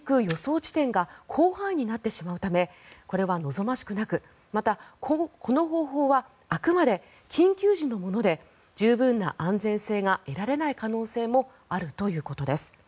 地点が広範囲になってしまうためこれは望ましくなくまた、この方法はあくまで緊急時のもので十分な安全性が得られない可能性もあるということです。